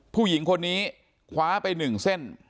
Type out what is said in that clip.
ผู้หญิงคนนี้คว้าไป๑เส้น